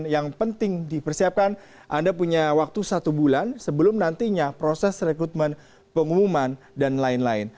yang penting dipersiapkan anda punya waktu satu bulan sebelum nantinya proses rekrutmen pengumuman dan lain lain